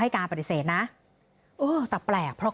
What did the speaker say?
คุยกับตำรวจเนี่ยคุยกับตำรวจเนี่ย